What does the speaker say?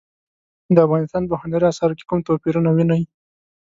د افغانستان په هنري اثارو کې کوم توپیرونه وینئ؟